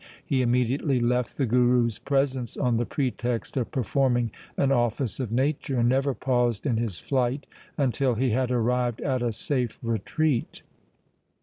He immediately left the Guru's presence on the pretext of performing an office of nature, and never paused in his flight until he had arrived at a safe retreat.